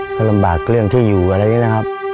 ก็ลำบากเรื่องที่อยู่อะไรอย่างนี้นะครับ